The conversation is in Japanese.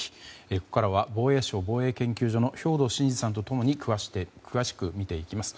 ここからは防衛省防衛研究所の兵頭慎治さんと共に詳しく見ていきます。